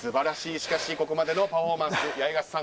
しかしここまでのパフォーマンス八重樫さん